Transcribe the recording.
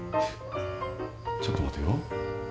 ちょっと待てよ。